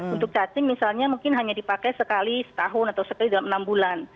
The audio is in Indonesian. untuk cacing misalnya mungkin hanya dipakai sekali setahun atau sekali dalam enam bulan